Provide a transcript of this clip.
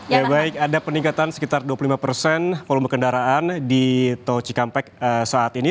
ya baik ada peningkatan sekitar dua puluh lima persen volume kendaraan di tol cikampek saat ini